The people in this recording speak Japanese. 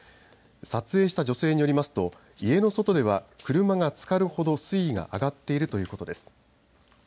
撮影した女性によりますと家の外では車がつかるほど水位が上がっているということです。